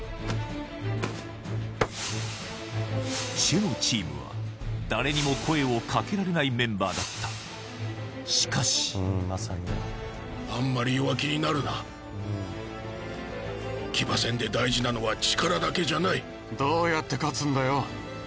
チェのチームは誰にも声をかけられないメンバーだったしかしあんまり弱気になるな騎馬戦で大事なのは力だけじゃないどうやって勝つんだよ